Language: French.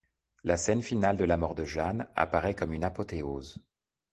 La scène finale de la mort de Jeanne apparaît comme une apothéose.